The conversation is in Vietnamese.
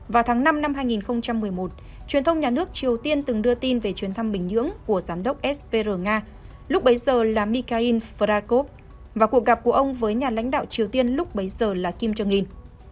vào tháng năm năm hai nghìn một mươi một truyền thông nhà nước triều tiên từng đưa tin về chuyến thăm bình nhưỡng của giám đốc spr nga lúc bấy giờ là mikarin frakov và cuộc gặp của ông với nhà lãnh đạo triều tiên lúc bấy giờ là kim jong un